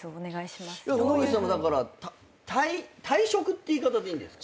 野口さんもだから退職って言い方でいいんですか？